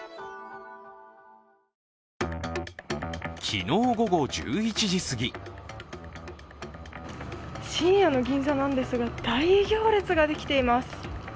昨日午後１１時すぎ深夜の銀座なんですが、大行列ができています。